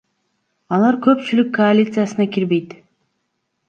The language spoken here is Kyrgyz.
Алар көпчүлүк коалициясына кирбейт.